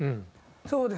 そうですね。